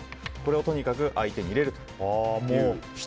とにかく相手に入れるという。